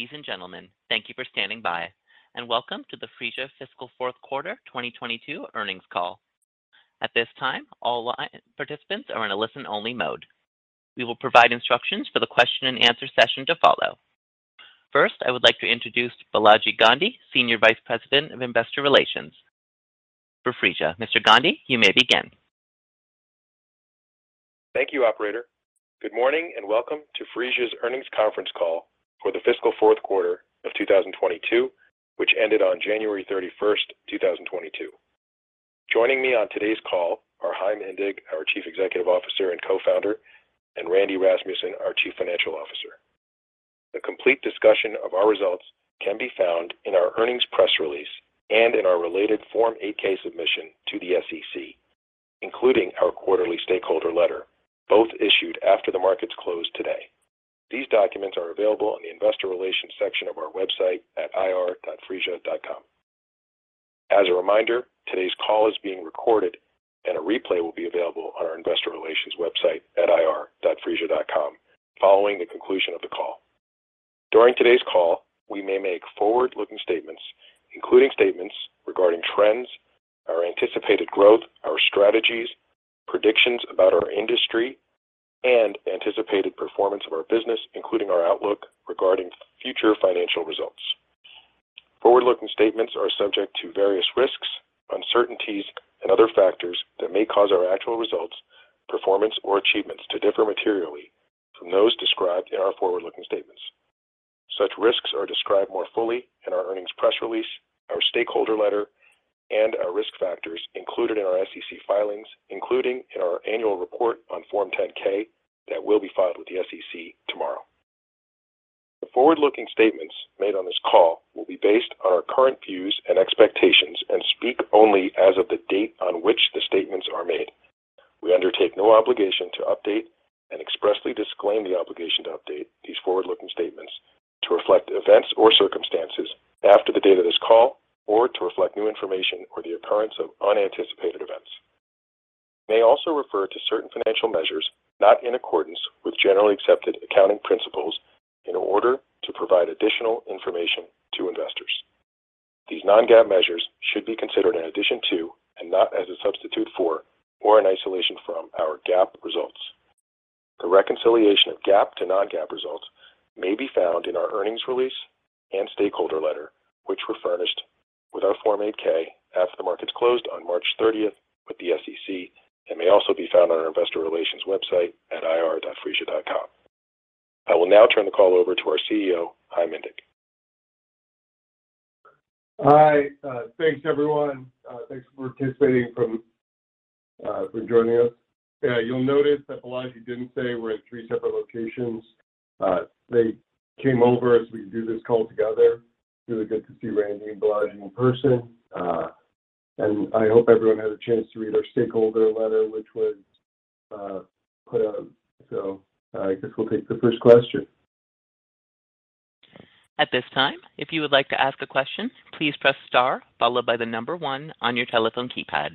Ladies and gentlemen, thank you for standing by, and welcome to the Phreesia Fiscal Fourth Quarter 2022 Earnings Call. At this time, all participants are in a listen-only mode. We will provide instructions for the question-and-answer session to follow. First, I would like to introduce Balaji Gandhi, Senior Vice President of Investor Relations for Phreesia. Mr. Gandhi, you may begin. Thank you, operator. Good morning and welcome to Phreesia's Earnings Conference Call for the Fiscal Fourth Quarter of 2022, which ended on January 31, 2022. Joining me on today's call are Chaim Indig, our Chief Executive Officer and co-founder, and Randy Rasmussen, our Chief Financial Officer. A complete discussion of our results can be found in our earnings press release and in our related Form 8-K submission to the SEC, including our quarterly stakeholder letter, both issued after the markets closed today. These documents are available on the investor relations section of our website at ir.phreesia.com. As a reminder, today's call is being recorded, and a replay will be available on our investor relations website at ir.phreesia.com following the conclusion of the call. During today's call, we may make forward-looking statements, including statements regarding trends, our anticipated growth, our strategies, predictions about our industry, and anticipated performance of our business, including our outlook regarding future financial results. Forward-looking statements are subject to various risks, uncertainties, and other factors that may cause our actual results, performance, or achievements to differ materially from those described in our forward-looking statements. Such risks are described more fully in our earnings press release, our stakeholder letter, and our risk factors included in our SEC filings, including in our annual report on Form 10-K that will be filed with the SEC tomorrow. The forward-looking statements made on this call will be based on our current views and expectations and speak only as of the date on which the statements are made. We undertake no obligation to update and expressly disclaim the obligation to update these forward-looking statements to reflect events or circumstances after the date of this call or to reflect new information or the occurrence of unanticipated events. We may also refer to certain financial measures not in accordance with generally accepted accounting principles in order to provide additional information to investors. These non-GAAP measures should be considered in addition to and not as a substitute for or in isolation from our GAAP results. A reconciliation of GAAP to non-GAAP results may be found in our earnings release and stakeholder letter, which were furnished with our Form 8-K after the markets closed on March thirtieth with the SEC and may also be found on our investor relations website at ir.phreesia.com. I will now turn the call over to our CEO, Chaim Indig. Hi. Thanks everyone. Thanks for joining us. You'll notice that Balaji didn't say we're in three separate locations. They came over so we can do this call together. Really good to see Randy and Balaji in person. I hope everyone had a chance to read our shareholder letter which was put out. I guess we'll take the first question. At this time, if you would like to ask a question, please press star followed by the number one on your telephone keypad.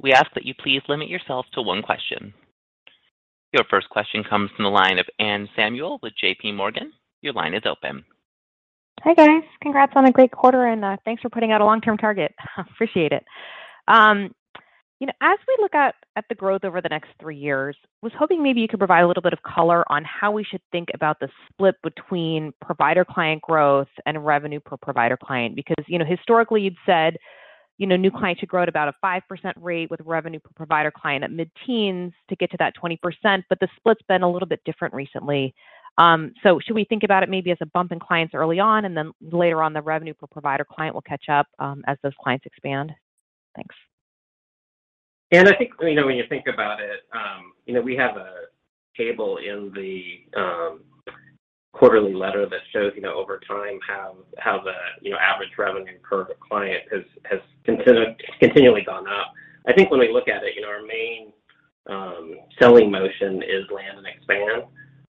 We ask that you please limit yourself to one question. Your first question comes from the line of Anne Samuel with JPMorgan. Your line is open. Hi, guys. Congrats on a great quarter, and thanks for putting out a long-term target. Appreciate it. You know, as we look out at the growth over the next three years, was hoping maybe you could provide a little bit of color on how we should think about the split between provider-client growth and revenue per provider-client because, you know, historically you've said, you know, new clients should grow at about a 5% rate with revenue per provider-client at mid-teens to get to that 20%, but the split's been a little bit different recently. So, should we think about it maybe as a bump in clients early on, and then later on the revenue per provider-client will catch up, as those clients expand? Thanks. Anne, I think, you know, when you think about it, you know, we have a table in the quarterly letter that shows, you know, over time how the, you know, average revenue per client has continually gone up. I think when we look at it, you know, our main selling motion is land and expand.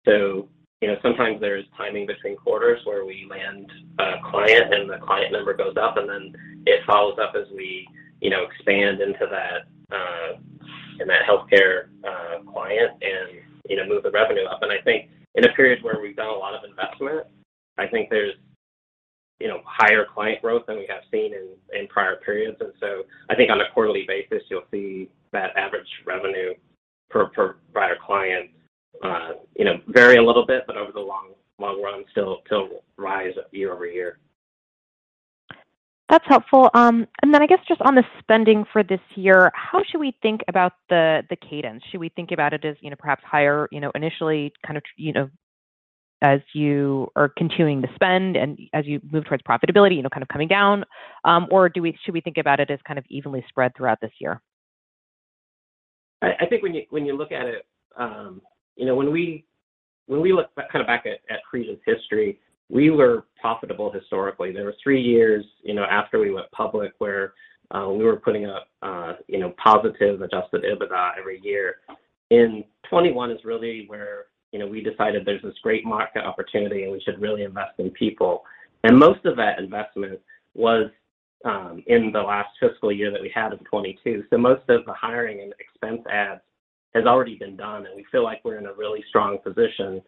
So, you know, sometimes there's timing between quarters where we land a client and the client number goes up, and then it follows up as we, you know, expand into that, in that healthcare client and, you know, move the revenue up. I think in a period where we've done a lot of investment, I think there's, you know, higher client growth than we have seen in prior periods. I think on a quarterly basis you'll see that average revenue per provider-client vary a little bit, but over the long run still rise year-over-year. That's helpful. I guess just on the spending for this year, how should we think about the cadence? Should we think about it as, you know, perhaps higher, you know, initially kind of you know, as you are continuing to spend and as you move towards profitability, you know, kind of coming down? Should we think about it as kind of evenly spread throughout this year? I think when you look at it, you know, when we look kind of back at Phreesia's history, we were profitable historically. There were three years, you know, after we went public where we were putting up, you know, positive Adjusted EBITDA every year. In 2021 is really where, you know, we decided there's this great market opportunity and we should really invest in people. Most of that investment was in the last fiscal year that we had in 2022. Most of the hiring and expense adds has already been done, and we feel like we're in a really strong position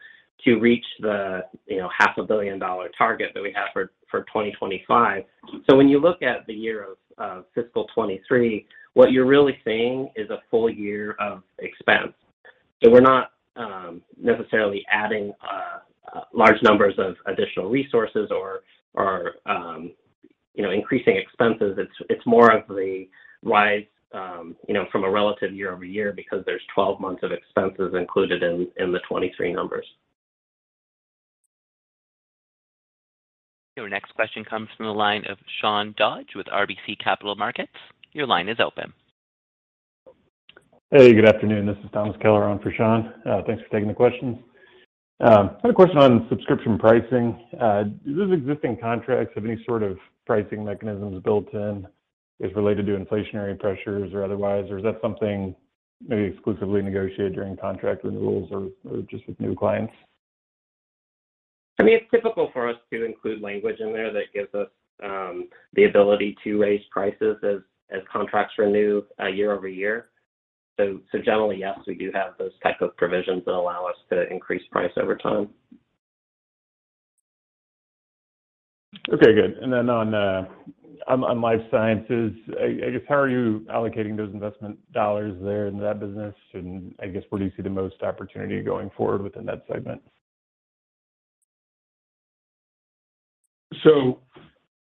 to reach the, you know, half a billion-dollar target that we have for 2025. When you look at the year of fiscal 2023, what you're really seeing is a full year of expense. We're not necessarily adding large numbers of additional resources, or you know, increasing expenses. It's more of the rise, you know, from a relative year-over-year because there's 12 months of expenses included in the 2023 numbers. Your next question comes from the line of Sean Dodge with RBC Capital Markets. Your line is open. Hey, good afternoon. This is Tom Keller on for Sean. Thanks for taking the questions. Had a question on subscription pricing. Do those existing contracts have any sort of pricing mechanisms built in if related to inflationary pressures or otherwise? Or is that something maybe exclusively negotiated during contract renewals or just with new clients? I mean, it's typical for us to include language in there that gives us the ability to raise prices as contracts renew year-over-year. So generally, yes, we do have those types of provisions that allow us to increase price over time. Okay, good. On Life Sciences, I guess how are you allocating those investment dollars there in that business? I guess where do you see the most opportunity going forward within that segment?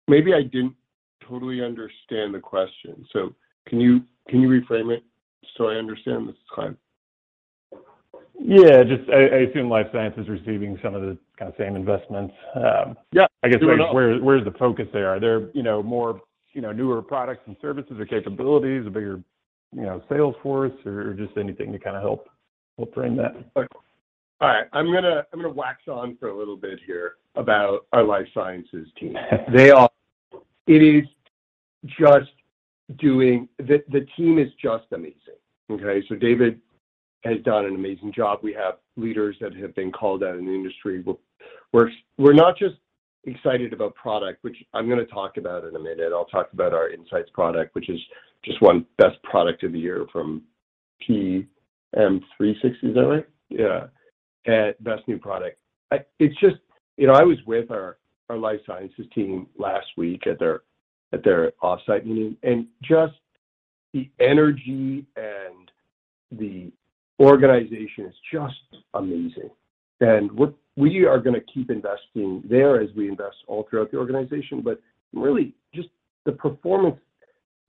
Maybe I didn't totally understand the question. Can you reframe it, so I understand? This is Chaim. Yeah. I assume Life Sciences is receiving some of the kinda same investments. Yeah. I guess where's the focus there? Are there, you know, more, you know, newer products and services or capabilities, a bigger, you know, sales force, or just anything to kinda help frame that. All right. I'm gonna wax on for a little bit here about our life sciences team. The team is just amazing. Okay? David has done an amazing job. We have leaders that have been called out in the industry. We're not just excited about product, which I'm gonna talk about in a minute. I'll talk about our insights product, which is just won best product of the year from PM360. Is that right? Yeah. At best new product. It's just. You know, I was with our life sciences team last week at their off-site meeting, and just the energy and the organization is just amazing. We are gonna keep investing there as we invest all throughout the organization, but really just the performance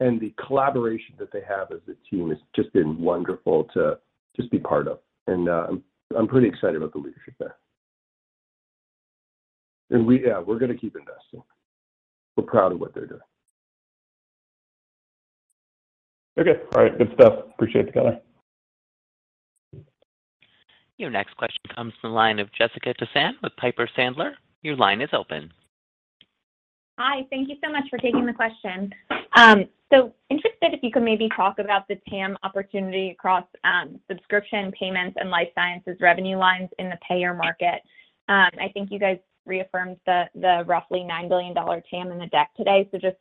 and the collaboration that they have as a team has just been wonderful to just be part of. I'm pretty excited about the leadership there. We, yeah, we're gonna keep investing. We're proud of what they're doing. Okay. All right. Good stuff. Appreciate the color. Your next question comes from the line of Jessica Tassan with Piper Sandler. Your line is open. Hi. Thank you so much for taking the question. I'm interested if you could maybe talk about the TAM opportunity across, subscription payments and life sciences revenue lines in the payer market. I think you guys reaffirmed the roughly $9 billion TAM in the deck today. Just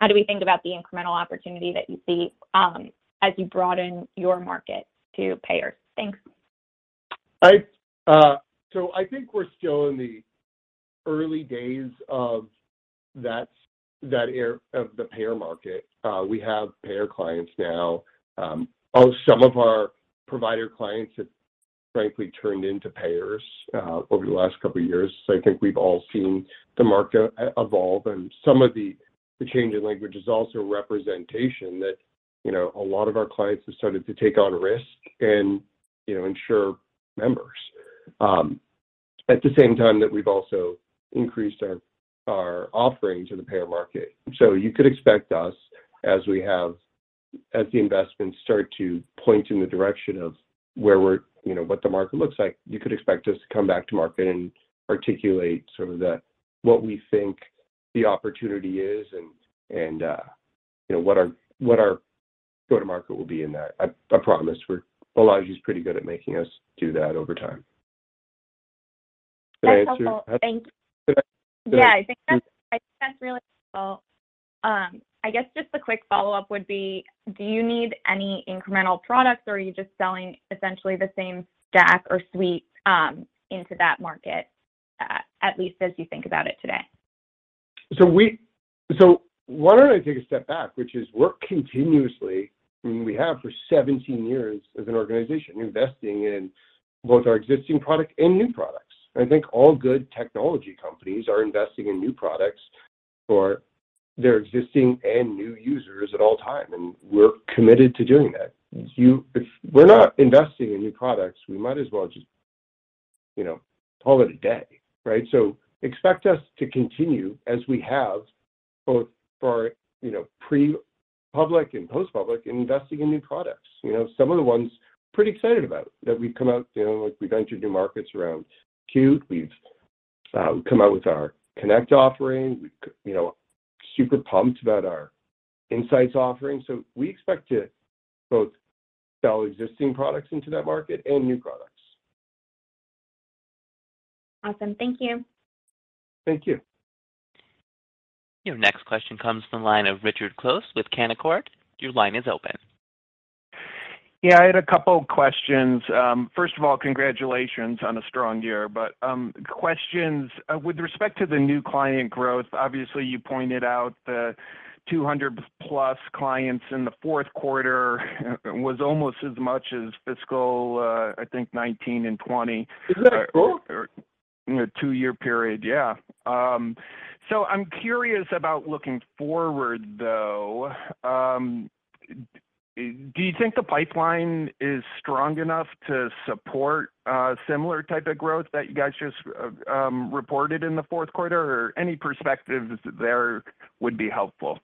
how do we think about the incremental opportunity that you see, as you broaden your market to payers? Thanks. I think we're still in the early days of that era of the payer market. We have payer clients now. Some of our provider clients have frankly turned into payers over the last couple of years. I think we've all seen the market evolve, and some of the change in language is also representation that, you know, a lot of our clients have started to take on risk and, you know, nsure members at the same time that we've also increased our offerings in the payer market. You could expect us as the investments start to point in the direction of where we're you know what the market looks like. You could expect us to come back to market and articulate sort of the what we think the opportunity is and you know what our go-to-market will be in that. I promise we're Balaji's pretty good at making us do that over time. Did I answer? That's helpful. Thank you. Did I- Yeah, I think that's really helpful. I guess just a quick follow-up would be, do you need any incremental products, or are you just selling essentially the same stack or suite into that market, at least as you think about it today? Why don't I take a step back, which is work continuously, and we have for 17 years as an organization, investing in both our existing product and new products. I think all good technology companies are investing in new products for their existing and new users at all times, and we're committed to doing that. If we're not investing in new products, we might as well just, you know, call it a day, right? Expect us to continue as we have both for, you know, pre-public and post-public, investing in new products. You know, some of the ones pretty excited about that we've come out, you know, like we've entered new markets around Queue. We've come out with our Connect offering. You know, super pumped about our PatientInsights offering. We expect to both sell existing products into that market and new products. Awesome. Thank you. Thank you. Your next question comes from the line of Richard Close with Canaccord. Your line is open. Yeah, I had a couple questions. First of all, congratulations on a strong year. Questions with respect to the new client growth, obviously you pointed out the 200+ clients in the fourth quarter was almost as much as fiscal, I think 2019 and 2020- Isn't that cool? -or in a two-year period. Yeah. I'm curious about looking forward, though. Do you think the pipeline is strong enough to support a similar type of growth that you guys just reported in the fourth quarter? Any perspective there would be helpful.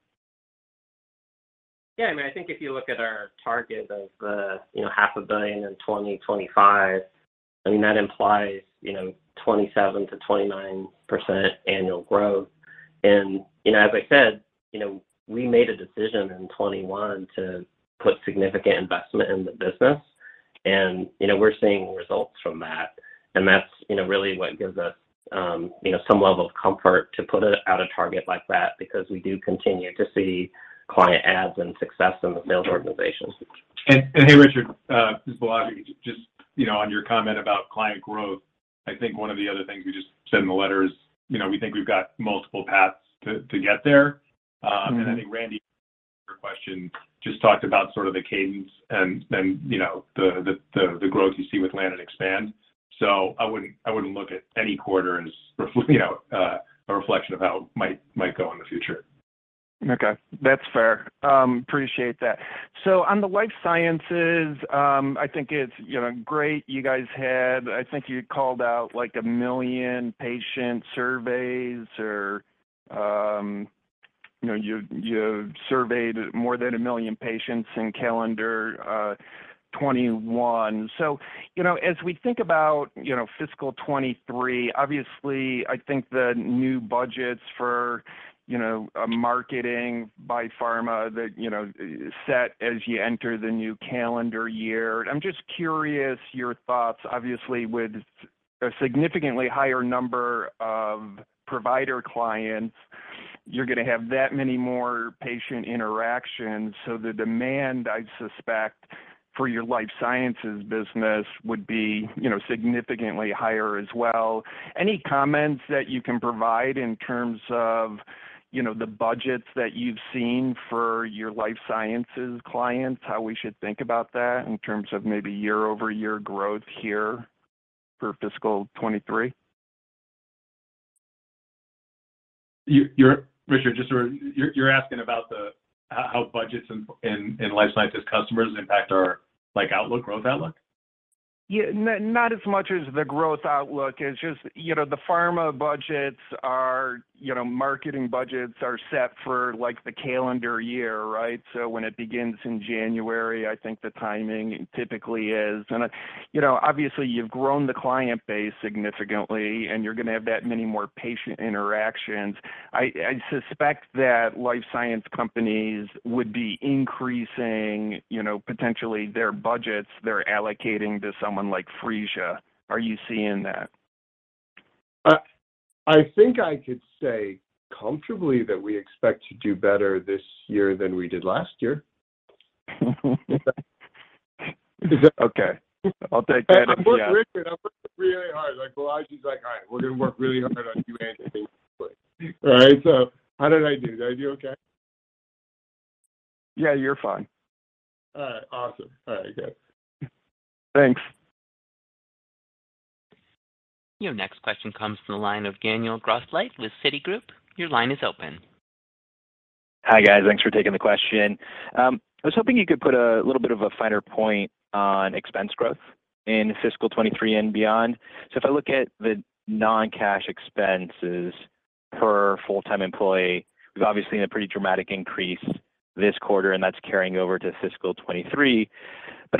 Yeah. I mean, I think if you look at our target of the, you know, half a billion-dollar in 2025, I mean, that implies, you know, 27%-29% annual growth. You know, as I said, you know, we made a decision in 2021 to put significant investment in the business and, you know, we're seeing results from that. That's, you know, really what gives us, you know, some level of comfort to put it at a target like that because we do continue to see client adds and success in the sales organizations. Hey, Richard, this is Balaji. Just, you know, on your comment about client growth, I think one of the other things we just said in the letter is, you know, we think we've got multiple paths to get there. I think Randy, your question just talked about sort of the cadence and then, you know, the growth you see with land and expand. I wouldn't look at any quarter as a reflection of how it might go in the future. Okay. That's fair. Appreciate that. On the life sciences, I think it's, you know, great you guys I think you called out like a million patient surveys or, you know, you surveyed more than a million patients in calendar 2021. You know, as we think about, you know, fiscal 2023, obviously I think the new budgets for, you know, marketing by pharma that, you know, set as you enter the new calendar year. I'm just curious your thoughts, obviously with a significantly higher number of provider clients, you're gonna have that many more patient interactions. The demand, I'd suspect, for your life sciences business would be, you know, significantly higher as well. Any comments that you can provide in terms of, you know, the budgets that you've seen for your life sciences clients? How should we think about that in terms of maybe year-over-year growth here for fiscal 2023? Richard, just sort of you're asking about how budgets and life sciences customers impact our, like, growth outlook? Yeah. Not as much as the growth outlook. It's just, you know, the pharma budgets are, you know, marketing budgets are set for like the calendar year, right? So, when it begins in January, I think the timing typically is. You know, obviously you've grown the client base significantly, and you're gonna have that many more patient interactions. I suspect that life science companies would be increasing, you know, potentially their budgets they're allocating to someone like Phreesia. Are you seeing that? I think I could say comfortably that we expect to do better this year than we did last year. Okay. I'll take that as a yes. I'm working, Richard. I'm working really hard. Like, Balaji's like, "All right. We're gonna work really hard on you answering." All right. So how did I do? Did I do okay? Yeah, you're fine. All right. Awesome. All right, guys. Thanks. Your next question comes from the line of Daniel Grosslight with Citigroup. Your line is open. Hi, guys. Thanks for taking the question. I was hoping you could put a little bit of a finer point on expense growth in fiscal 2023 and beyond. If I look at the non-cash expenses per full-time employee, we've obviously seen a pretty dramatic increase this quarter, and that's carrying over to fiscal 2023.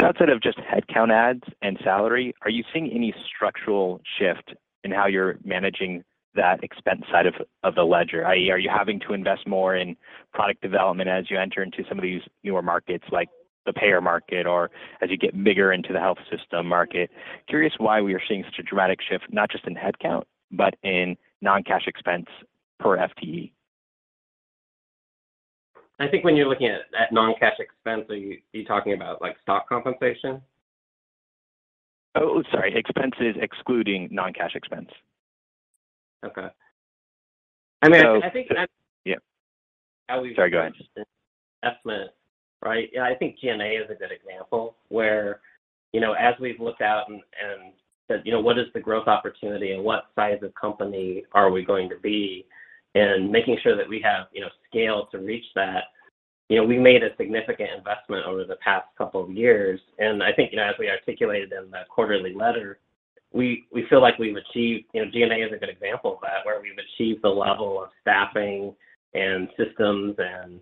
Outside of just headcount adds and salary, are you seeing any structural shift in how you're managing that expense side of the ledger? i.e., are you having to invest more in product development as you enter into some of these newer markets like the payer market or as you get bigger into the health system market? Curious why we are seeing such a dramatic shift, not just in headcount, but in non-cash expense per FTE. I think when you're looking at non-cash expense, are you talking about like stock compensation? Oh, sorry. Expenses excluding non-cash expense. Okay. I mean, I think. So- I think that's. Yeah. How we- Sorry, go ahead. Estimate, right. I think G&A is a good example where, you know, as we've looked out and said, you know, what is the growth opportunity and what size of company are we going to be? Making sure that we have, you know, scale to reach that. You know, we made a significant investment over the past couple of years, and I think, you know, as we articulated in the quarterly letter, we feel like we've achieved. You know, G&A is a good example of that, where we've achieved the level of staffing and systems and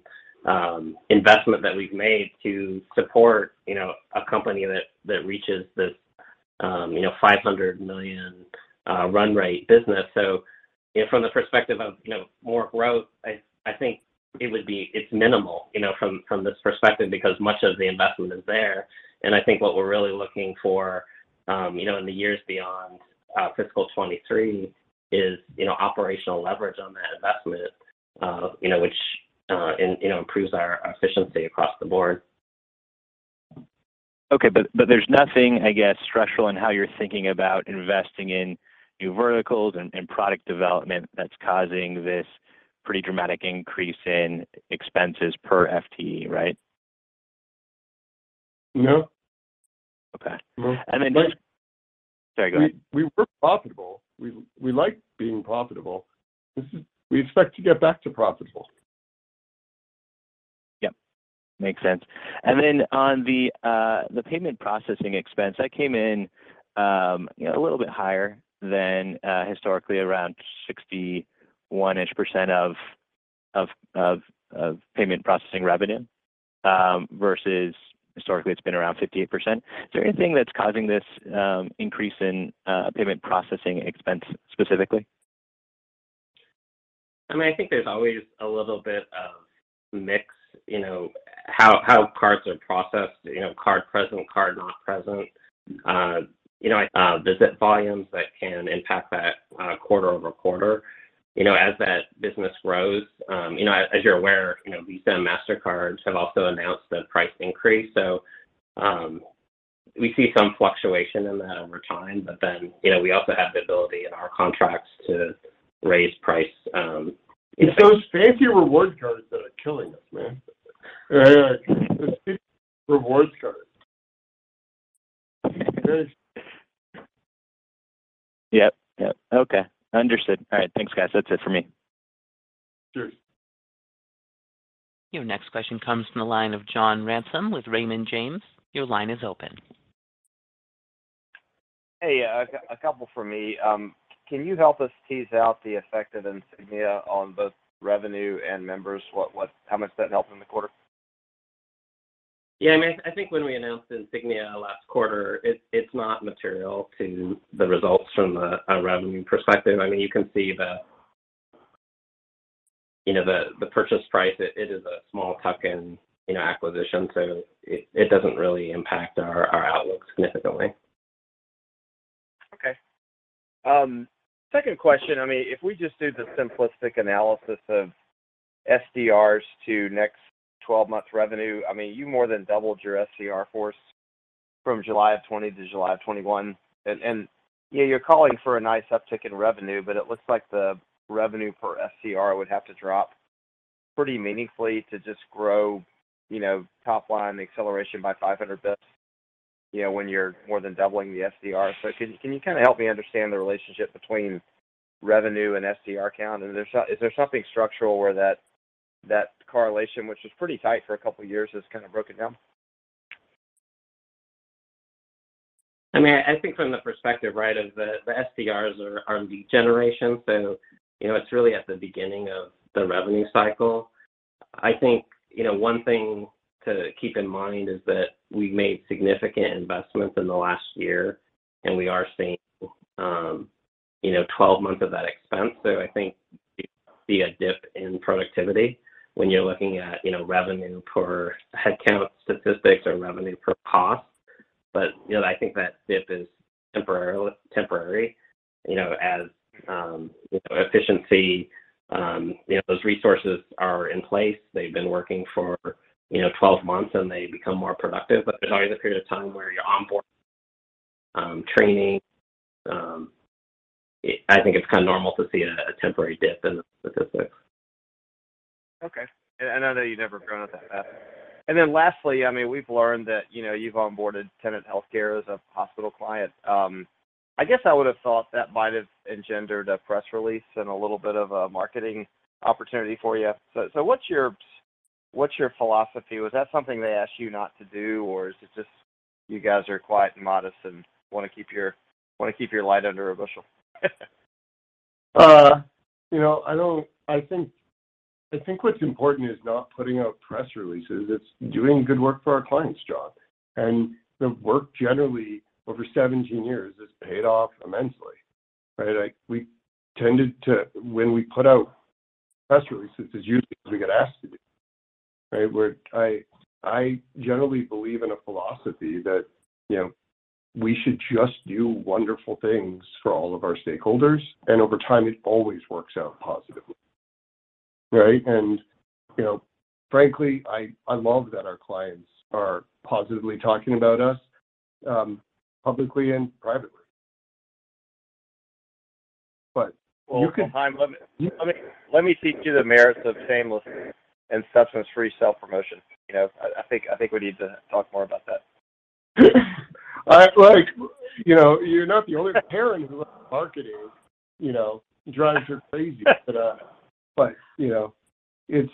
investment that we've made to support, you know, a company that reaches this, you know, $500 million run-rate business. You know, from the perspective of, you know, more growth, I think it's minimal, you know, from this perspective because much of the investment is there. I think what we're really looking for, you know, in the years beyond fiscal 2023 is, you know, operational leverage on that investment, you know, which improves our efficiency across the board. Okay. There's nothing, I guess, structural in how you're thinking about investing in new verticals and product development that's causing this pretty dramatic increase in expenses per FTE, right? No. Okay. No. And then- But- Sorry, go ahead. We're profitable. We like being profitable. We expect to get back to profitable. Yep. Makes sense. Then on the payment processing expense, that came in, you know, a little bit higher than historically around 61-ish% of payment processing revenue, versus historically it's been around 58%. Is there anything that's causing this increase in payment processing expense specifically? I mean, I think there's always a little bit of mix, you know, how cards are processed, you know, card present, card not present. You know, visit volumes that can impact that, quarter-over-quarter. You know, as that business grows, as you're aware, you know, Visa and Mastercard have also announced a price increase. We see some fluctuation in that over time. You know, we also have the ability in our contracts to raise price, It's those fancy reward cards that are killing us, man. Those stupid reward cards. Yep. Yep. Okay. Understood. All right. Thanks, guys. That's it for me. Sure. Your next question comes from the line of John Ransom with Raymond James. Your line is open. Hey, a couple from me. Can you help us tease out the effect of Insignia on both revenue and members? What, how much does that help in the quarter? Yeah. I mean, I think when we announced Insignia last quarter, it's not material to the results from a revenue perspective. I mean, you can see the, you know, the purchase price, it is a small tuck-in, you know, acquisition, so it doesn't really impact our outlook significantly. Okay. Second question. I mean, if we just do the simplistic analysis of SDRs to next twelve-month revenue, I mean, you more than doubled your SDR force from July 2020 to July 2021. You know, you're calling for a nice uptick in revenue, but it looks like the revenue per SDR would have to drop pretty meaningfully to just grow top line acceleration by 500 basis points, you know, when you're more than doubling the SDR. Can you kinda help me understand the relationship between revenue and SDR count? Is there something structural where that correlation, which was pretty tight for a couple years, has kinda broken down? I mean, I think from the perspective, right, of the SDRs are lead generation, so, you know, it's really at the beginning of the revenue cycle. I think, you know, one thing to keep in mind is that we made significant investments in the last year, and we are seeing, you know, 12 months of that expense. I think you see a dip in productivity when you're looking at, you know, revenue per headcount statistics or revenue per cost. You know, I think that dip is temporary, you know, as efficiency, you know, those resources are in place. They've been working for, you know, 12 months, and they become more productive. There's always a period of time where you're onboarding, training. I think it's kinda normal to see a temporary dip in the statistics. Okay. I know you've never grown at that pace. Then lastly, I mean, we've learned that, you know, you've onboarded Tenet Healthcare as a hospital client. I guess I would've thought that might have engendered a press release and a little bit of a marketing opportunity for you. So what's your philosophy? Was that something they asked you not to do, or is it just you guys are quiet and modest and wanna keep your light under a bushel? You know, I think what's important is not putting out press releases. It's doing good work for our clients, John. The work generally over 17 years has paid off immensely, right? Like, when we put out press releases, it's usually because we get asked to do, right? I generally believe in a philosophy that, you know, we should just do wonderful things for all of our stakeholders, and over time, it always works out positively, right? You know, frankly, I love that our clients are positively talking about us publicly and privately. But you can Well, Chaim, let me teach you the merits of shameless and substance-free self-promotion, you know. I think we need to talk more about that. Like, you know, you're not the only parent who let marketing, you know, drives her crazy. You know, it's.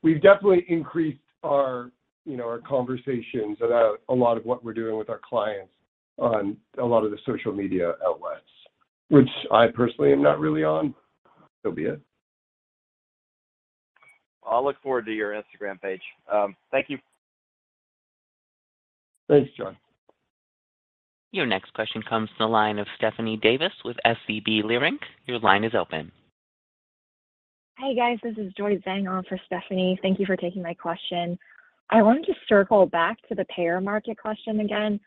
We've definitely increased our, you know, our conversations about a lot of what we're doing with our clients on a lot of the social media outlets, which I personally am not really on, so be it. I'll look forward to your Instagram page. Thank you. Thanks, John. Your next question comes from the line of Stephanie Davis with SVB Leerink. Your line is open. Hey, guys. This is Joy Zhang on for Stephanie. Thank you for taking my question. I wanted to circle back to the payer market question again.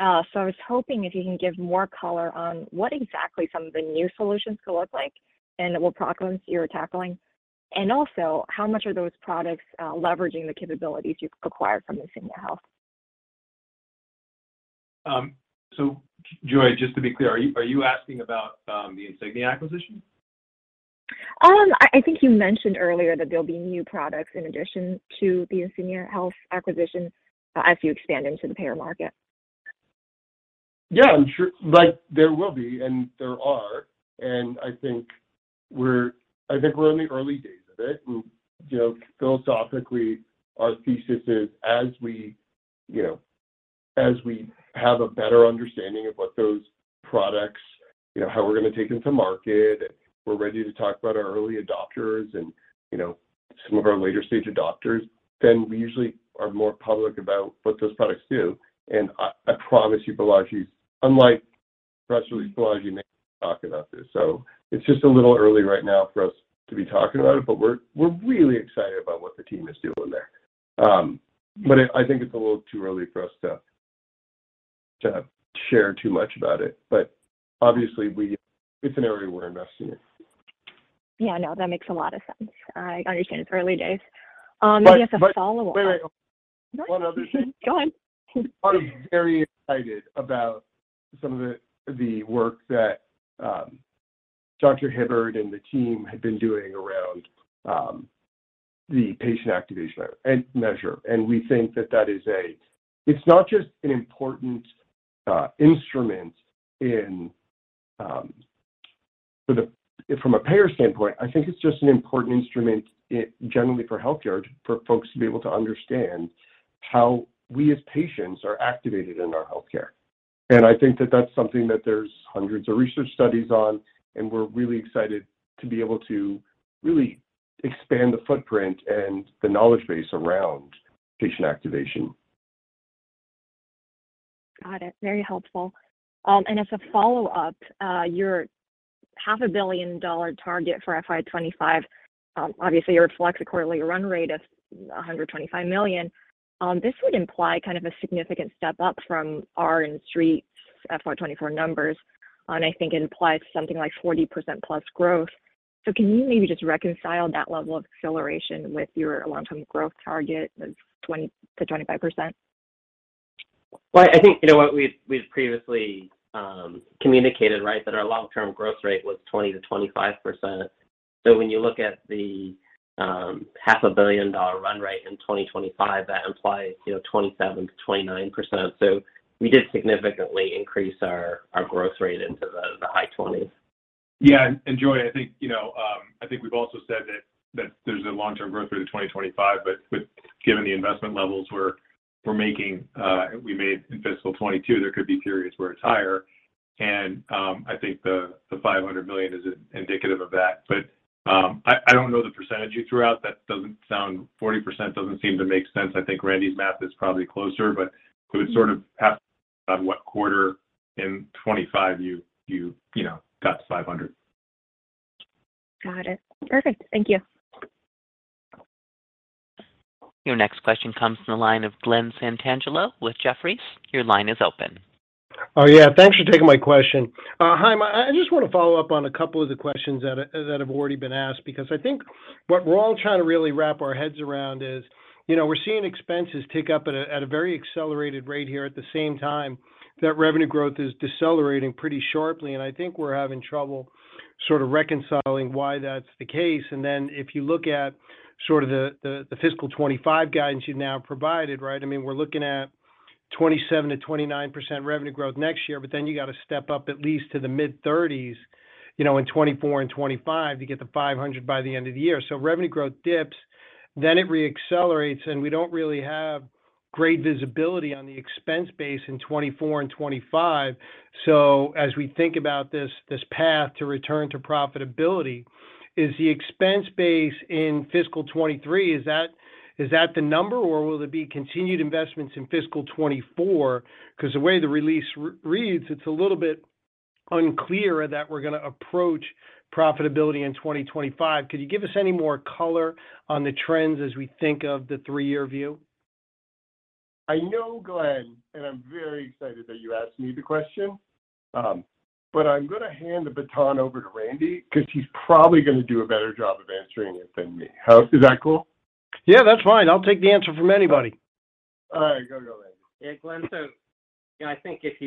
So, I was hoping if you can give more color on what exactly some of the new solutions could look like, and what problems you're tackling. Also, how much are those products leveraging the capabilities you've acquired from Insignia Health? Joy, just to be clear, are you asking about the Insignia acquisition? I think you mentioned earlier that there'll be new products in addition to the Insignia Health acquisition, as you expand into the payer market. Yeah, I'm sure. Like, there will be, and there are. I think we're in the early days of it. You know, philosophically, our thesis is as we, you know, as we have a better understanding of what those products, you know, how we're gonna take them to market, and we're ready to talk about our early adopters and, you know, some of our later stage adopters, then we usually are more public about what those products do. I promise you, Balaji's, unlike press release Balaji, Nick will talk about this. It's just a little early right now for us to be talking about it, but we're really excited about what the team is doing there. I think it's a little too early for us to share too much about it. Obviously, it's an area we're investing in. Yeah. No, that makes a lot of sense. I understand it's early days. Maybe as a follow-up- Wait. Hold on. Sorry. One other thing. Go on. I'm very excited about some of the work that Dr. Hibbard and the team have been doing around the Patient Activation Measure®. We think that is. It's not just an important instrument. From a payer standpoint, I think it's just an important instrument generally for healthcare for folks to be able to understand how we, as patients, are activated in our healthcare. I think that that's something that there's hundreds of research studies on, and we're really excited to be able to really expand the footprint and the knowledge base around patient activation. Got it. Very helpful. As a follow-up, your half a billion-dollar target for FY 2025 obviously reflects a quarterly run rate of $125 million. This would imply kind of a significant step up from the Street's FY 2024 numbers, and I think it implies something like 40%+ growth. Can you maybe just reconcile that level of acceleration with your long-term growth target of 20%-25%? Well, I think, you know what, we've previously communicated, right, that our long-term growth rate was 20%-25%. When you look at the half a billion-dollar run rate in 2025, that implies, you know, 27%-29%. We did significantly increase our growth rate into the high twenties. Yeah. Joy, I think you know, I think we've also said that there's a long-term growth rate of 20-25%, but given the investment levels we made in fiscal 2022, there could be periods where it's higher. I think the $500 million is indicative of that. But I don't know the percentage you threw out. That doesn't sound. 40% doesn't seem to make sense. I think Randy's math is probably closer, but it would sort of have to be about what quarter in 2025 you know got to $500 million. Got it. Perfect. Thank you. Your next question comes from the line of Glen Santangelo with Jefferies. Your line is open. Oh, yeah. Thanks for taking my question. I just want to follow up on a couple of the questions that have already been asked because I think what we're all trying to really wrap our heads around is, you know, we're seeing expenses tick up at a very accelerated rate here at the same time that revenue growth is decelerating pretty sharply. I think we're having trouble sort of reconciling why that's the case. If you look at sort of the FY 2025 guidance you've now provided, right? I mean, we're looking at 27%-29% revenue growth next year, but then you got to step up at least to the mid-30s, you know, in 2024 and 2025 to get to 500 by the end of the year. Revenue growth dips, then it re-accelerates, and we don't really have great visibility on the expense base in 2024 and 2025. As we think about this path to return to profitability, is the expense base in fiscal 2023, is that the number, or will there be continued investments in fiscal 2024? Cause the way the release reads, it's a little bit unclear that we're gonna approach profitability in 2025. Could you give us any more color on the trends as we think of the Three-year view? I know, Glen, and I'm very excited that you asked me the question, but I'm gonna hand the baton over to Randy because he's probably gonna do a better job of answering it than me. Is that cool? Yeah, that's fine. I'll take the answer from anybody. All right. Go, go, Randy. Yeah. Glen, you know, I think if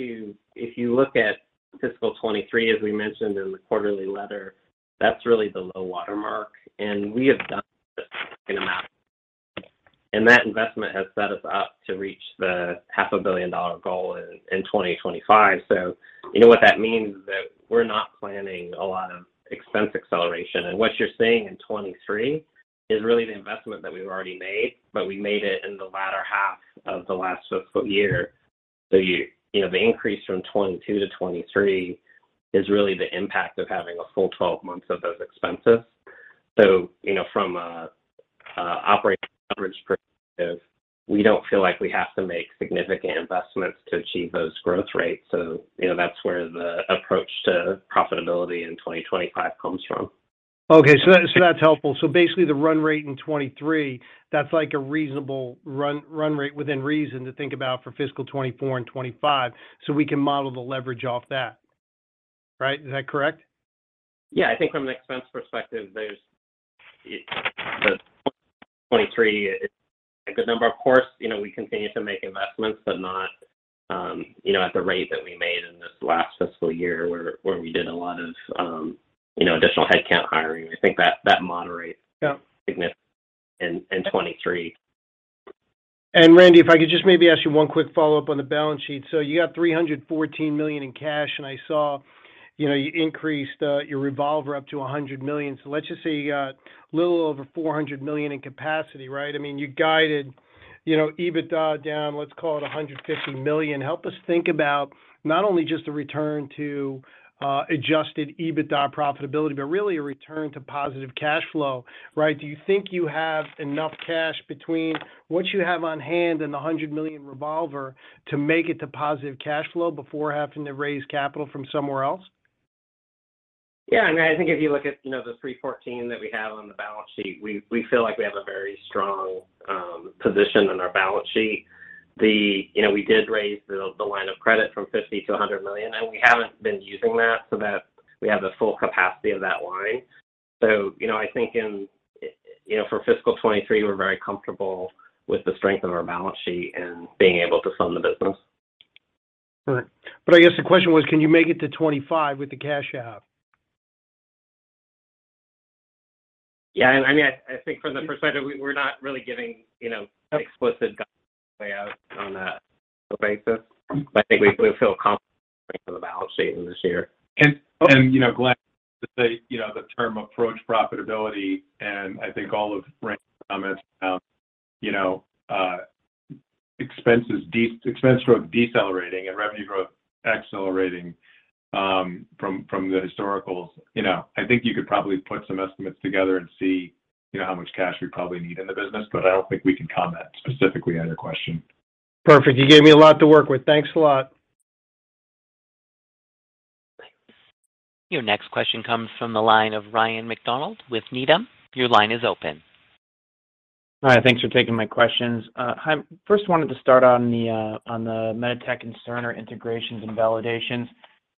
you look at fiscal 2023, as we mentioned in the quarterly letter, that's really the low watermark, and we have done a significant amount. That investment has set us up to reach the half a billion-dollar goal in 2025. You know what that means is that we're not planning a lot of expense acceleration. What you're seeing in 2023 is really the investment that we've already made, but we made it in the latter half of the last fiscal year. You know, the increase from 2022 to 2023 is really the impact of having a full 12 months of those expenses. You know, from operating we don't feel like we have to make significant investments to achieve those growth rates. You know, that's where the approach to profitability in 2025 comes from. Okay. That's helpful. Basically, the run rate in 2023, that's like a reasonable run rate within reason to think about for fiscal 2024 and 2025, so we can model the leverage off that. Right? Is that correct? Yeah. I think from an expense perspective, there's 23 is a good number. Of course, you know, we continue to make investments, but not, you know, at the rate that we made in this last fiscal year where we did a lot of, you know, additional headcount hiring. I think that moderates. Yeah Significantly in 2023. Randy, if I could just maybe ask you one quick follow-up on the balance sheet. You got $314 million in cash, and I saw, you know, you increased your revolver up to $100 million. Let's just say you got a little over $400 million in capacity, right? I mean, you guided, you know, EBITDA down, let's call it $150 million. Help us think about not only just the return to Adjusted EBITDA profitability, but really a return to positive cash flow, right? Do you think you have enough cash between what you have on hand and the $100 million revolver to make it to positive cash flow before having to raise capital from somewhere else? Yeah, I think if you look at, you know, the $314 million that we have on the balance sheet, we feel like we have a very strong position on our balance sheet. You know, we did raise the line of credit from $50 million to $100 million, and we haven't been using that, so that we have the full capacity of that line. You know, I think, you know, for fiscal 2023, we're very comfortable with the strength of our balance sheet and being able to fund the business. All right. I guess the question was can you make it to 25 with the cash you have? Yeah. I mean, I think from the perspective, we're not really giving, you know, explicit guidance way out on that basis. But I think we feel confident in the balance sheet in this year. You know, Glen, to say, you know, the term approach profitability, and I think all of Randy's comments, you know, expenses expense growth decelerating and revenue growth accelerating, from the historical. You know, I think you could probably put some estimates together and see, you know, how much cash we probably need in the business, but I don't think we can comment specifically on your question. Perfect. You gave me a lot to work with. Thanks a lot. Your next question comes from the line of Ryan MacDonald with Needham. Your line is open. Hi. Thanks for taking my questions. First wanted to start on the MEDITECH and Cerner integrations and validations.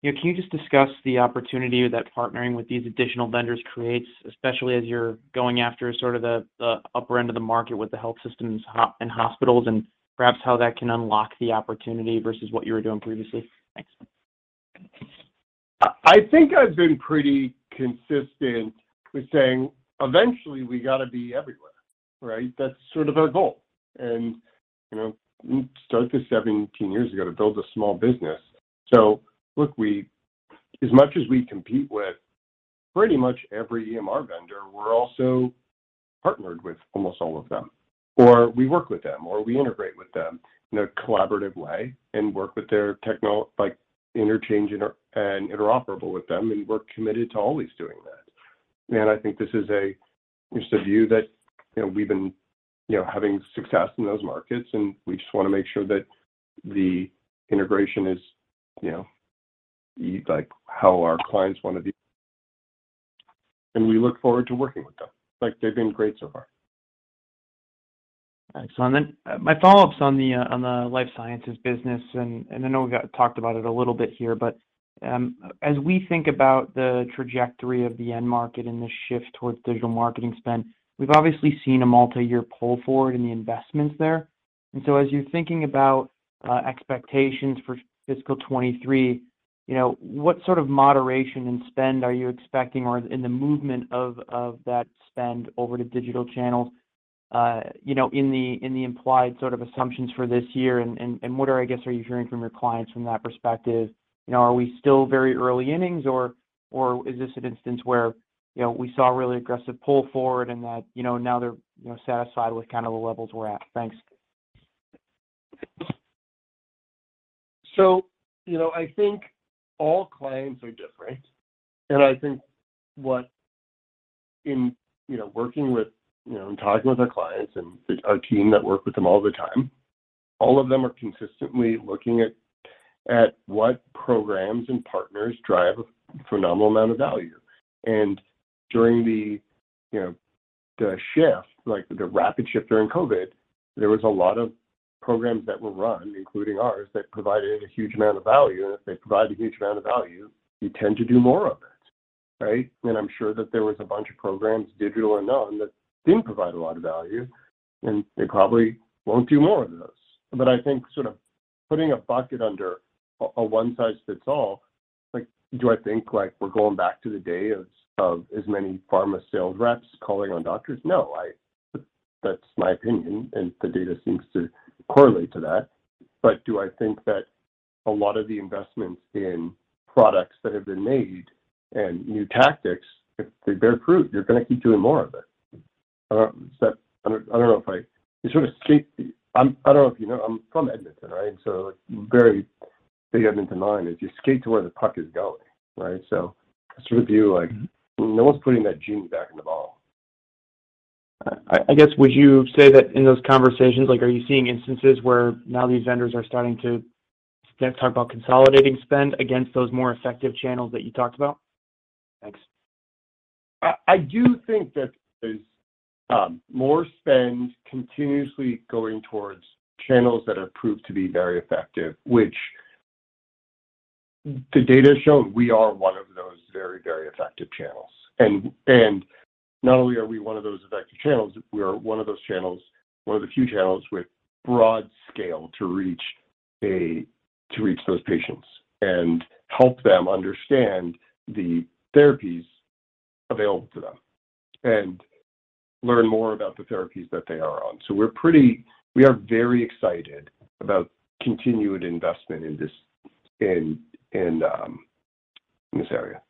You know, can you just discuss the opportunity that partnering with these additional vendors creates, especially as you're going after sort of the upper end of the market with the health systems and hospitals, and perhaps how that can unlock the opportunity versus what you were doing previously? Thanks. I think I've been pretty consistent with saying eventually we got to be everywhere, right? That's sort of our goal. You know, we started this 17 years ago to build a small business. Look, we as much as we compete with pretty much every EMR vendor, we're also partnered with almost all of them, or we work with them, or we integrate with them in a collaborative way and work with their technology like interchange and interoperable with them, and we're committed to always doing that. I think this is just a view that, you know, we've been, you know, having success in those markets, and we just wanna make sure that the integration is, you know, like how our clients wanna be. We look forward to working with them. Like, they've been great so far. Excellent. My follow-ups on the life sciences business and I know we talked about it a little bit here, but as we think about the trajectory of the end market and the shift towards digital marketing spend, we've obviously seen a multiyear pull forward in the investments there. As you're thinking about expectations for fiscal 2023, you know, what sort of moderation in spend are you expecting or in the movement of that spend over to digital channels, you know, in the implied sort of assumptions for this year and what are, I guess, are you hearing from your clients from that perspective? You know, are we still very early innings or is this an instance where, you know, we saw a really aggressive pull forward and that, you know, now they're, you know, satisfied with kind of the levels we're at? Thanks. You know, I think all clients are different, and I think, you know, working with, you know, and talking with our clients and our team that work with them all the time, all of them are consistently looking at what programs and partners drive a phenomenal amount of value. During, you know, the shift, like the rapid shift during COVID, there was a lot of programs that were run, including ours, that provided a huge amount of value. If they provide a huge amount of value, you tend to do more of it, right? I'm sure that there was a bunch of programs, digital or not, that didn't provide a lot of value, and they probably won't do more of those. I think sort of putting a bucket under a one size fits all, like, do I think like we're going back to the day of as many pharma sales reps calling on doctors? No. That's my opinion, and the data seems to correlate to that. Do I think that a lot of the investments in products that have been made and new tactics, if they bear fruit, you're gonna keep doing more of it. I don't know if I. You sort of skate. I don't know if you know, I'm from Edmonton, right? Like very big Edmonton line is you skate to where the puck is going, right? Sort of view like no one's putting that genie back in the bottle. I guess, would you say that in those conversations, like, are you seeing instances where now these vendors are starting to talk about consolidating spend against those more effective channels that you talked about? Thanks. I do think that there's more spend continuously going towards channels that have proved to be very effective, which the data has shown we are one of those very effective channels. Not only are we one of those effective channels, we are one of those channels, one of the few channels with broad scale to reach those patients and help them understand the therapies available to them and learn more about the therapies that they are on. We are very excited about continued investment in this area.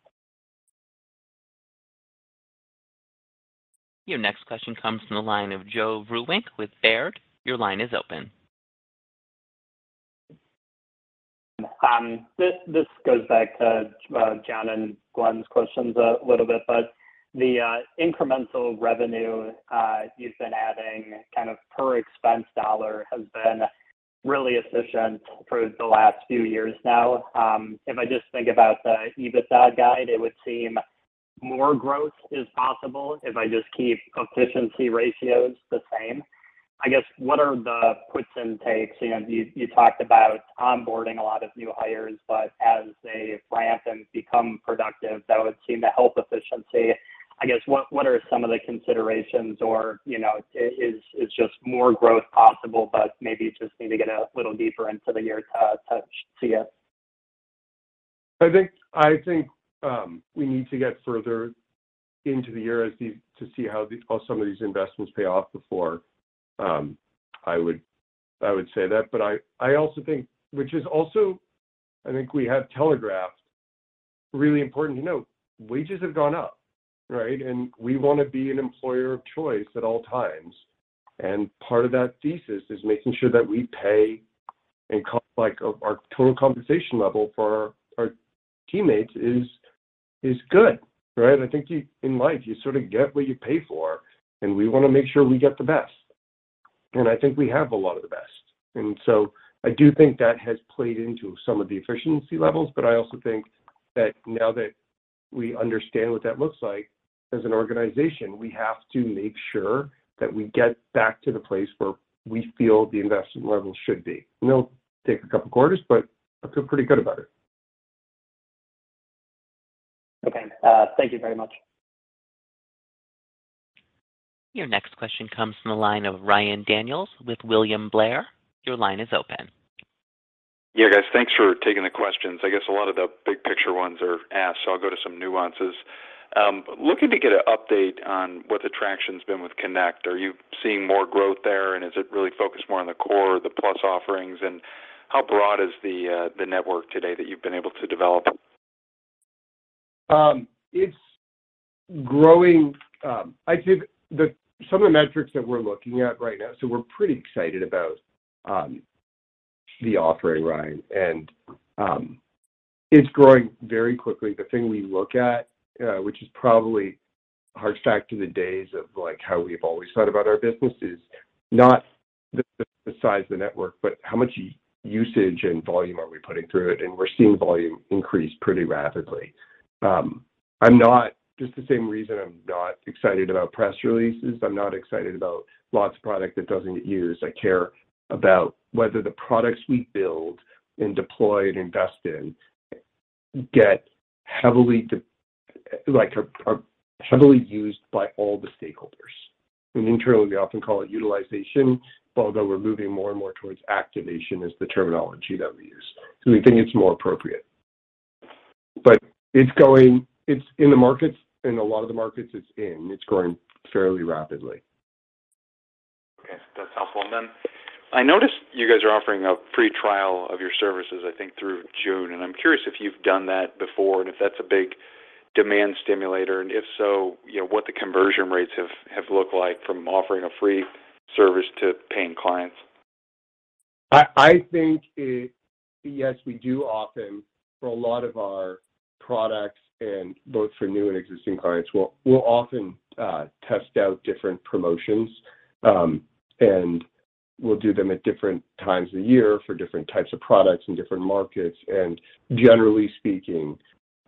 Your next question comes from the line of Joe Vruwink with Baird. Your line is open. This goes back to John and Glen's questions a little bit, but the incremental revenue you've been adding kind of per expense dollar has been really efficient for the last few years now. If I just think about the EBITDA guide, it would seem more growth is possible if I just keep efficiency ratios the same. I guess what are the puts and takes? You know, you talked about onboarding a lot of new hires, but as they ramp and become productive, that would seem to help efficiency. I guess what are some of the considerations or, you know, is just more growth possible, but maybe you just need to get a little deeper into the year to see it? I think we need to get further into the year to see how some of these investments pay off before I would say that. I also think, which is also I think we have telegraphed really important to note, wages have gone up, right? We wanna be an employer of choice at all times, and part of that thesis is making sure that we pay and comp like our total compensation level for our teammates is good, right? In life, you sort of get what you pay for, and we wanna make sure we get the best, and I think we have a lot of the best. I do think that has played into some of the efficiency levels, but I also think that now that we understand what that looks like as an organization, we have to make sure that we get back to the place where we feel the investment level should be. It'll take a couple quarters, but I feel pretty good about it. Okay. Thank you very much. Your next question comes from the line of Ryan Daniels with William Blair. Your line is open. Yeah, guys. Thanks for taking the questions. I guess a lot of the big picture ones are asked, so I'll go to some nuances. Looking to get an update on what the traction's been with Connect. Are you seeing more growth there, and is it really focused more on the core or the plus offerings? How broad is the network today that you've been able to develop? It's growing. I think some of the metrics that we're looking at right now, so we're pretty excited about the offering, Ryan. It's growing very quickly. The thing we look at, which is probably harks back to the days of like how we've always thought about our business is not the size of the network, but how much usage and volume are we putting through it, and we're seeing volume increase pretty rapidly. I'm not, for the same reason, excited about press releases. I'm not excited about lots of product that doesn't get used. I care about whether the products we build and deploy and invest in get heavily like are heavily used by all the stakeholders. Internally, we often call it utilization, although we're moving more and more towards activation as the terminology that we use. We think it's more appropriate. It's going in the markets, in a lot of the markets it's in, it's growing fairly rapidly. Okay. That's helpful. Then I noticed you guys are offering a free trial of your services, I think through June, and I'm curious if you've done that before and if that's a big demand stimulator. If so, you know, what the conversion rates have looked like from offering a free service to paying clients. I think it. Yes, we do often for a lot of our products and both for new and existing clients. We'll often test out different promotions, and we'll do them at different times of year for different types of products in different markets. Generally speaking,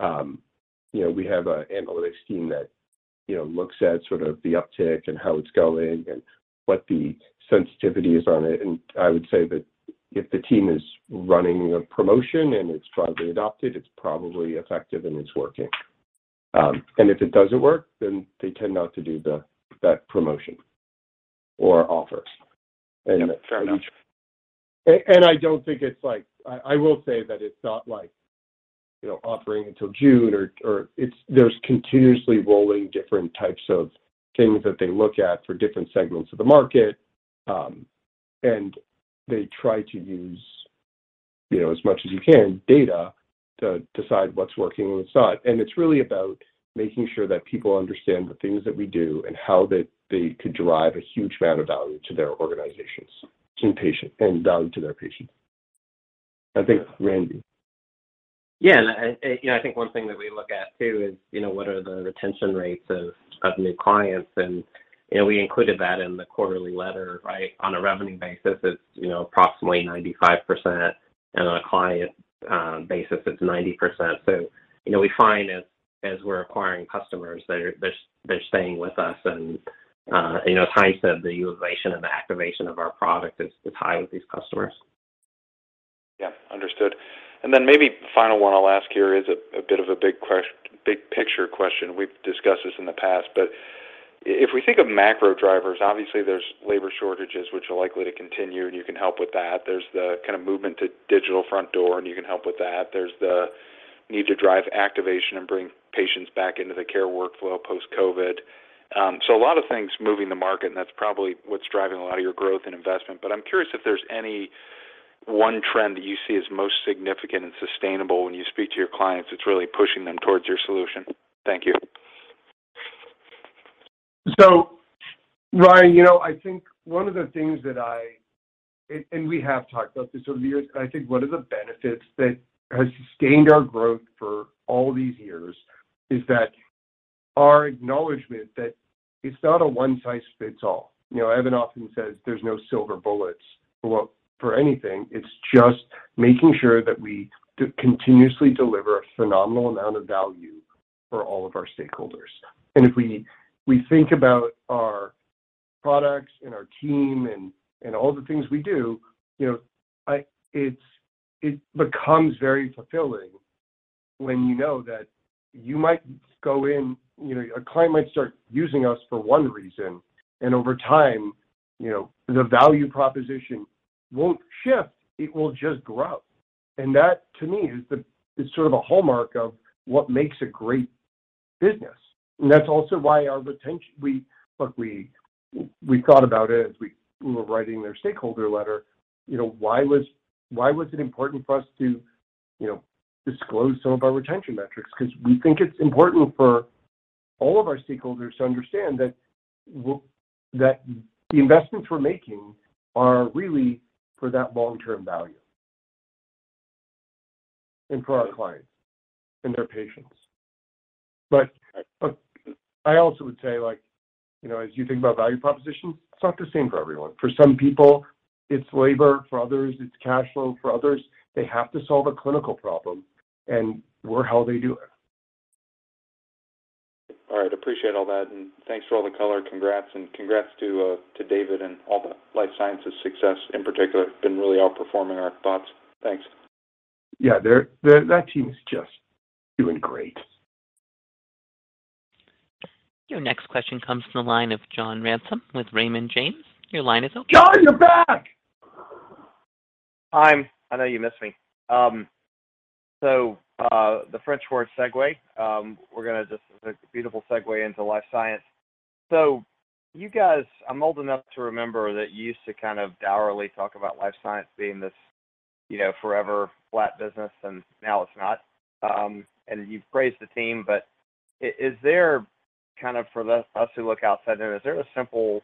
you know, we have a analytics team that, you know, looks at sort of the uptick and how it's going and what the sensitivity is on it. I would say that if the team is running a promotion and it's broadly adopted, it's probably effective and it's working. If it doesn't work, then they tend not to do that promotion or offers. Yeah. Fair enough. I don't think it's like. I will say that it's not like, you know, offering until June, there's continuously rolling different types of things that they look at for different segments of the market. They try to use, you know, as much data as you can to decide what's working and what's not. It's really about making sure that people understand the things that we do and how they could drive a huge amount of value to their organizations and patients and value to their patients. I think, Randy. Yeah. I think one thing that we look at too is, you know, what are the retention rates of new clients? We included that in the quarterly letter, right? On a revenue basis, it's, you know, approximately 95%, and on a client basis it's 90%. We find as we're acquiring customers, they're staying with us and, you know, as Ty said, the utilization and the activation of our product is high with these customers. Yeah. Understood. Then maybe final one I'll ask here is a bit of a big picture question. We've discussed this in the past, but if we think of macro drivers, obviously there's labor shortages which are likely to continue, and you can help with that. There's the kinda movement to digital front door, and you can help with that. There's the need to drive activation and bring patients back into the care workflow post-COVID. A lot of things moving the market, and that's probably what's driving a lot of your growth and investment. I'm curious if there's any one trend that you see as most significant and sustainable when you speak to your clients that's really pushing them towards your solution. Thank you. Ryan, you know, I think one of the things that we have talked about this over the years, and I think one of the benefits that has sustained our growth for all these years is that our acknowledgement that it's not a one size fits all. You know, Evan often says there's no silver bullets for anything. It's just making sure that we continuously deliver a phenomenal amount of value for all of our stakeholders. If we think about our products and our team and all the things we do, you know, it becomes very fulfilling when you know that you might go in, you know, a client might start using us for one reason, and over time, you know, the value proposition won't shift, it will just grow. And that to me is sort of a hallmark of what makes a great business. That's also why our retention we look, we thought about it as we were writing their stakeholder letter, you know, why was it important for us to, you know, disclose some of our retention metrics? Cause we think it's important for all of our stakeholders to understand that that the investments we're making are really for that long-term value and for our clients and their patients. I also would say like, you know, as you think about value propositions, it's not the same for everyone. For some people it's labor, for others it's cash flow, for others they have to solve a clinical problem, and we're how they do it. All right. Appreciate all that, and thanks for all the color. Congrats, and congrats to David and all the life sciences success in particular. Been really outperforming our thoughts. Thanks. Yeah. They're that team is just doing great. Your next question comes from the line of John Ransom with Raymond James. Your line is open. John, you're back. Hi. I know you missed me. The French word segue, a beautiful segue into Life Sciences. You guys, I'm old enough to remember that you used to kind of dourly talk about Life Sciences being this, you know, forever flat business, and now it's not. You've praised the team, but is there kind of for us who look outside, is there a simple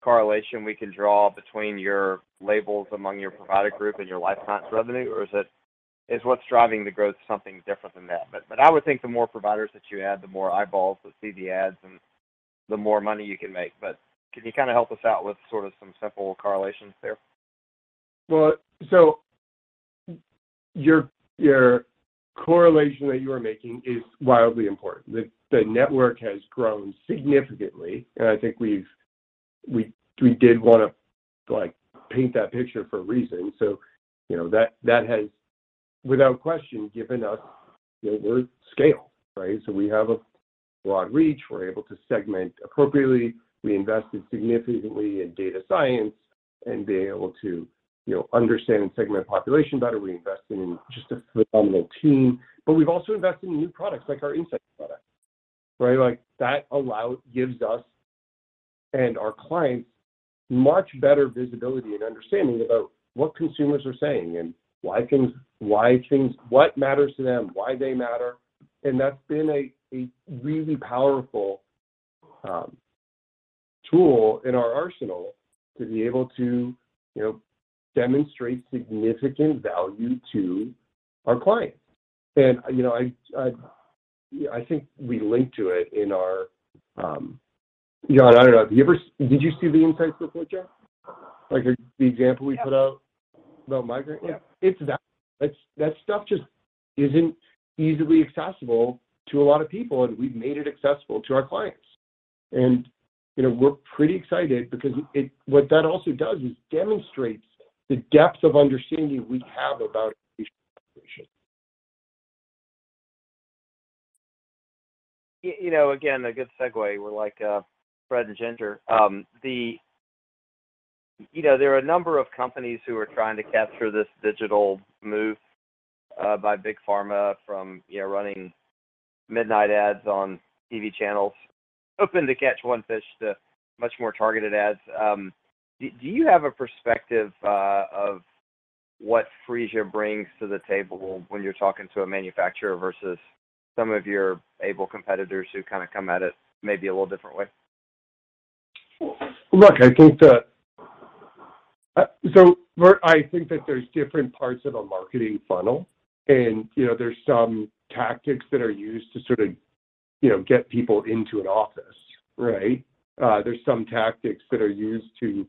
correlation we can draw between your labels among your provider group and your Life Sciences revenue, or is what's driving the growth something different than that? I would think the more providers that you add, the more eyeballs that see the ads and the more money you can make. Can you kinda help us out with sort of some simple correlations there? Well, your correlation that you are making is wildly important. The network has grown significantly, and I think we did wanna, like, paint that picture for a reason. You know, that has without question given us the world scale, right? We have a broad reach. We're able to segment appropriately. We invested significantly in data science and being able to, you know, understand and segment population better. We invested in just a phenomenal team, but we've also invested in new products like our PatientInsights product, right? Like, that gives us and our clients much better visibility and understanding about what consumers are saying and what matters to them, why they matter. That's been a really powerful tool in our arsenal to be able to, you know, demonstrate significant value to our clients. I think we link to it in our John. I don't know, did you see the PatientInsights report yet? Like the example we put out about migraine? Yeah. That stuff just isn't easily accessible to a lot of people, and we've made it accessible to our clients. You know, we're pretty excited because what that also does is demonstrates the depth of understanding we have about patient population. You know, again, a good segue. We're like bread and butter. You know, there are a number of companies who are trying to capture this digital move by big pharma from running midnight ads on TV channels, hoping to catch one fish to much more targeted ads. Do you have a perspective of what Phreesia brings to the table when you're talking to a manufacturer versus some of your rival competitors who kind of come at it maybe a little different way? Look, I think that there's different parts of a marketing funnel and, you know, there's some tactics that are used to sort of, you know, get people into an office, right? There's some tactics that are used to,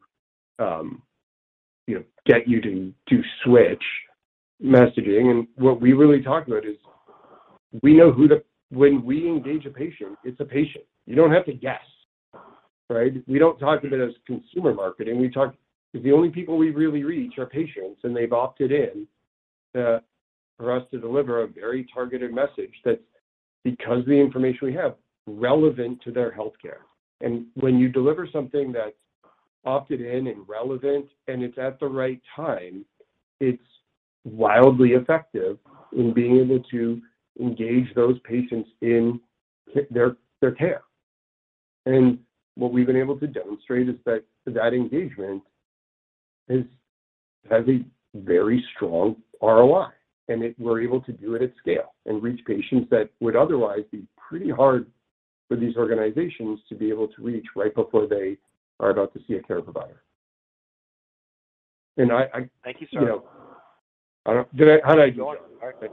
you know, get you to switch messaging. What we really talk about is when we engage a patient, it's a patient. You don't have to guess, right? We don't talk about it as consumer marketing. The only people we really reach are patients, and they've opted in for us to deliver a very targeted message that's, because of the information we have, relevant to their healthcare. When you deliver something that's opted in and relevant and it's at the right time, it's wildly effective in being able to engage those patients in their care. What we've been able to demonstrate is that engagement has a very strong ROI, and we're able to do it at scale and reach patients that would otherwise be pretty hard for these organizations to be able to reach right before they are about to see a care provider. Thank you, sir. You know, how'd I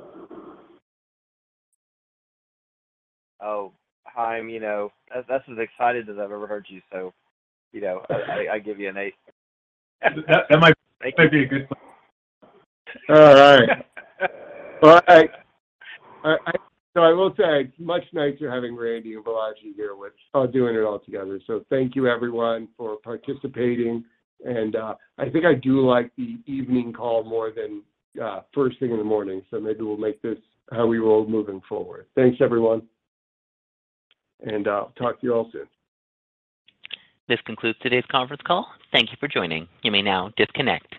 do? Oh, Chaim, you know, that's as excited as I've ever heard you so, you know, I give you an A. That might be a good place. All right. Well, I will say it's much nicer having Randy and Balaji here with all doing it all together. Thank you everyone for participating, and I think I do like the evening call more than first thing in the morning, so maybe we'll make this how we roll moving forward. Thanks everyone, and I'll talk to you all soon. This concludes today's conference call. Thank you for joining. You may now disconnect.